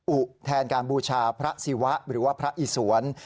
อุแทนการบูชาพระศิวะหรือว่าพระอิสวน